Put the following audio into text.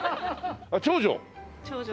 長女？